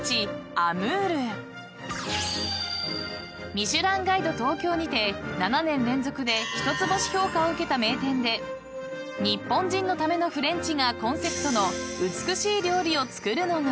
［ミシュランガイド東京にて７年連続で一つ星評価を受けた名店で日本人のためのフレンチがコンセプトの美しい料理を作るのが］